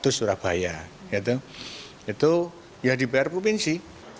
itu surabaya itu ya di pr provinsi